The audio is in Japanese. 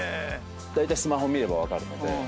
だいたいスマホ見れば分かるので。